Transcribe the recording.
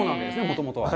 もともとは。